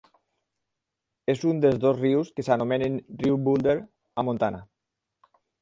És un dels dos rius que s'anomenen riu Boulder a Montana.